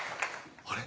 あれ？